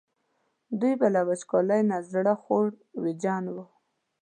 دوی به له وچکالۍ نه زړه خوړ ویرجن وو.